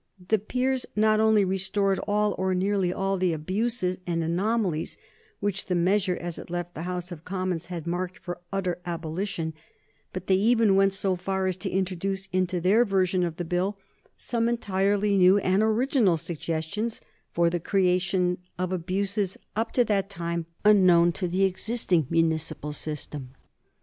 The peers not only restored all, or nearly all, the abuses and anomalies which the measure as it left the House of Commons had marked for utter abolition, but they even went so far as to introduce into their version of the Bill some entirely new and original suggestions for the creation of abuses up to that time unknown to the existing municipal system.